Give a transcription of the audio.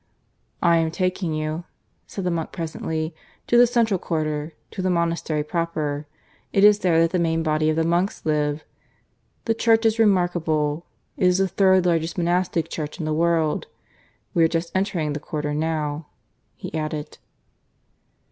"I am taking you," said the monk presently, "to the central quarter to the monastery proper. It is there that the main body of the monks live. The church is remarkable. It is the third largest monastic church in the world. ... We are just entering the quarter now," he added.